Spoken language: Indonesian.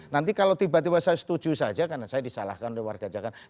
nanti kalau tiba tiba saya setuju saja karena saya disalahkan oleh warga jakarta